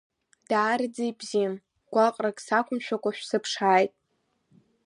Даараӡа ибзиан, гәаҟрак сақәымшәакәа шәсыԥшааит.